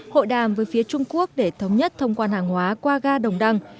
hội đàm với phía trung quốc để thống nhất thông quan hàng hóa qua ga đồng đăng